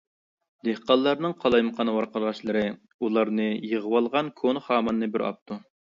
دېھقانلارنىڭ قالايمىقان ۋارقىراشلىرى ئۇلارنى يىغىۋالغان كونا خاماننى بىر ئاپتۇ.